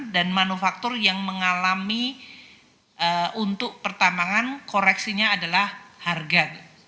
dan manufaktur yang mengalami untuk pertambangan koreksinya adalah harga